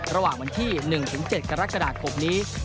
ระหว่างวันที่๑๗กรกฎาคมนี้